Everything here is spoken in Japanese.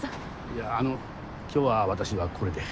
いやあの今日は私はこれで。